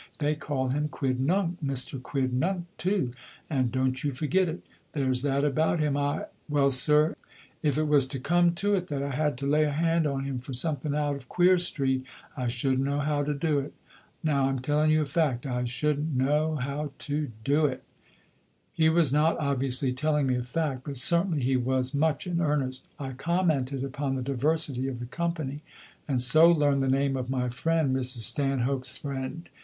They call him Quidnunc Mister Quidnunc, too, and don't you forget it. There's that about him I well, sir, if it was to come to it that I had to lay a hand on him for something out of Queer Street I shouldn't know how to do it. Now I'm telling you a fact. I shouldn't know how to do it." He was not, obviously, telling me a fact, but certainly he was much in earnest. I commented upon the diversity of the company, and so learned the name of my friend Mrs. Stanhope's friend.